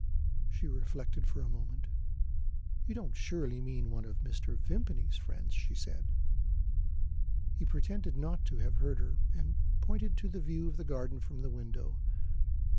She reflected for a moment. "You don't surely mean one of Mr. Vimpany's friends?" she said. He pretended not to have heard her, and pointed to the view of the garden from the window.